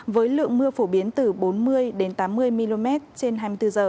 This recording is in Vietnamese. với lượng mưa phổ biến từ bốn mươi tám mươi mm trên hai mươi bốn h